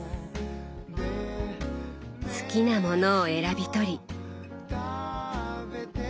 好きなものを選び取り。